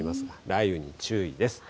雷雨に注意です。